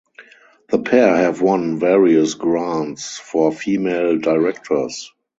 The pair have won various grants for female directors.